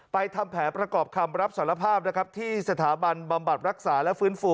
ทำแผนประกอบคำรับสารภาพนะครับที่สถาบันบำบัดรักษาและฟื้นฟู